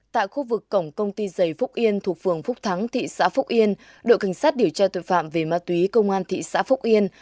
tại khu vực cổng công ty giày phúc yên thuộc phường phúc thắng thị xã phúc yên đội cảnh sát điều tra tội phạm về ma túy công an thị xã phúc yên